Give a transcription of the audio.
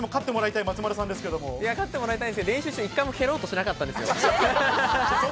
勝ってもらいたいけど、練習中、一回も蹴ろうとしなかったんですよ。